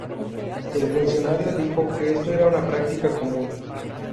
El funcionario dijo que esto era práctica común.